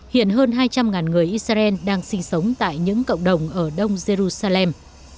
hiện hơn hai trăm linh người israel đang sinh sống tại những cộng đồng ở đông jerusalem